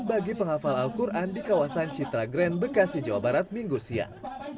bagi penghafal al quran di kawasan citra grand bekasi jawa barat minggu siang